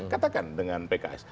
katakan dengan pks